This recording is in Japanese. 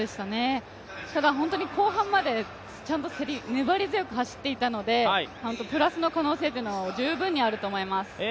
ただ、本当に後半まで粘り強く走っていたので、プラスの可能性というのは十分にあると思います。